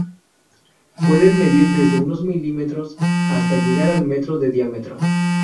Pueden medir desde unos milímetros hasta llegar al metro de diámetro.